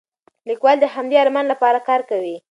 لیکوال د همدې ارمان لپاره کار کوي.